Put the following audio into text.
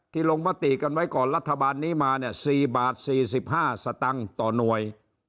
ลงมติกันไว้ก่อนรัฐบาลนี้มาเนี่ย๔บาท๔๕สตังค์ต่อหน่วย